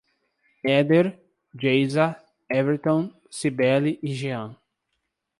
Eder, Geisa, Everton, Cibele e Jean